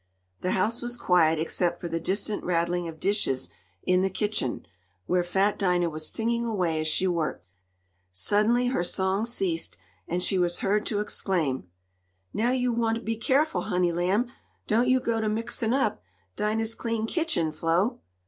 The house was quiet except for the distant rattling of dishes in the kitchen, where fat Dinah was singing away as she worked. Suddenly her song ceased, and she was heard to exclaim: "Now yo' want t' be careful, honey lamb! Doan't yo' go to muxin' up Dinah's clean kitchen flo'."